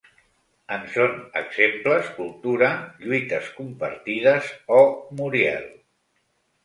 En són exemples ‘cultura’, ‘lluites compartides’ o ‘Muriel’.